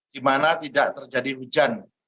di mana tidak terjadi hujan